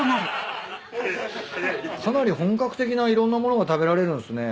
かなり本格的ないろんな物が食べられるんすね。